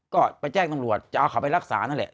ก็ไปแจ้งตำรวจจะเอาเขาไปรักษานั่นแหละ